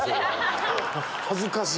恥ずかしい。